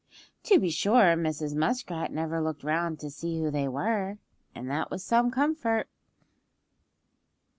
To be sure Mrs. Muskrat never looked round to see who they were, and that was some comfort.